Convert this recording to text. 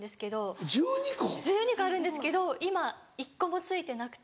１２個あるんですけど今１個もついてなくて。